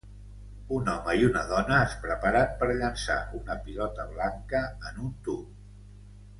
Un home i una dona es preparen per llançar una pilota blanca en un tub.